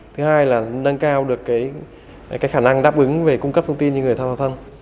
thứ hai là nâng cao được khả năng đáp ứng về cung cấp thông tin cho người tham gia giao thông